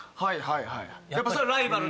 やっぱそれはライバル。